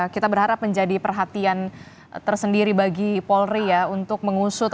kita berharap menjadi perhatian tersendiri bagi polri ya untuk mengusut